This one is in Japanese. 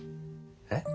えっ？